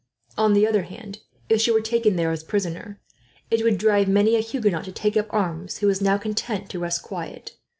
"On the other hand, if she were taken there as a prisoner, it would drive many a Huguenot to take up arms who is now content to rest quiet.